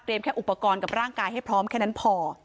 แค่อุปกรณ์กับร่างกายให้พร้อมแค่นั้นพอ